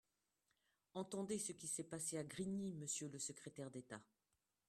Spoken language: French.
Entendez ce qui s’est passé à Grigny, monsieur le secrétaire d’État